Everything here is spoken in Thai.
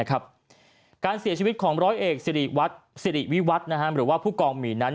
การเสียชีวิตของร้อยเอกสิริวัตรสิริวิวัฒน์หรือว่าผู้กองหมีนั้น